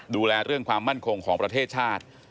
ดูแลเรื่องความมั่นคงของประเทศชาติ